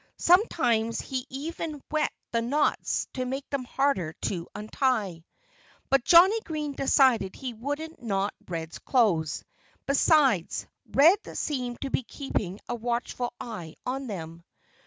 Sometimes he even wet the knots, to make them harder to untie. But Johnnie Green decided that he wouldn't knot Red's clothes. Besides, Red seemed to be keeping a watchful eye on them.